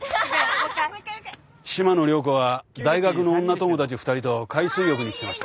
もう一回もう一回島野涼子は大学の女友達２人と海水浴に来てました。